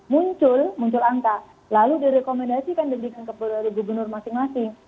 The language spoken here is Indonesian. muncul muncul angka lalu direkomendasikan demikian kepada gubernur masing masing